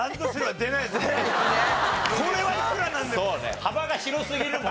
これはいくらなんでも。